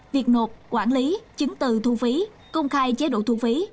việc nộp quản lý chứng từ thu phí công khai chế độ thu phí